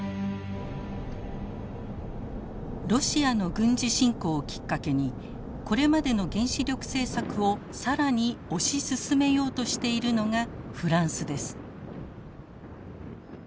ロシアの軍事侵攻をきっかけにこれまでの原子力政策を更に推し進めようとしているのがフランスです。